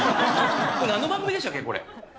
なんの番組でしたっけ、これ。